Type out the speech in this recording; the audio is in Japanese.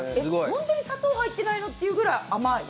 ほんとに砂糖入ってないの？っていうぐらい甘い。